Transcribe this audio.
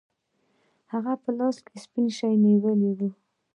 هغه په لاس کې سپین شی نیولی و.